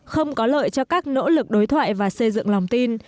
không có lợi cho các nỗ lực đối thoại và xây dựng lòng tin